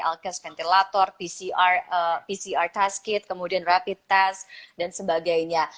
alkes ventilator pcr test kit kemudian rapid test dan sebagainya